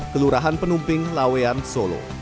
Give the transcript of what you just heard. kelurahan penumping lawean solo